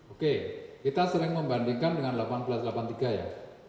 oke kita sering membandingkan dengan seribu delapan ratus delapan puluh tiga ya